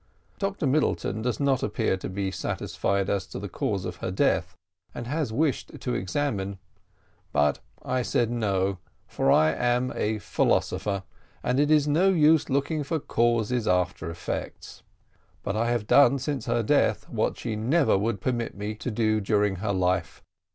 Dr Middleton does not appear to be satisfied as to the cause of her death, and has wished to examine; but I said no, for I am a philosopher, and it is no use looking for causes after effects; but I have done since her death what she never would permit me to do during her life.